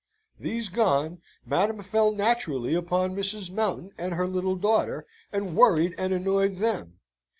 These gone, Madam fell naturally upon Mrs. Mountain and her little daughter, and worried and annoyed them.